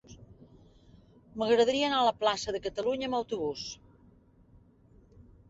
M'agradaria anar a la plaça de Catalunya amb autobús.